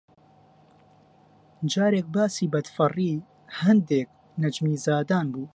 جارێک باسی بەدفەڕی هێندێک نەجیمزادان بوو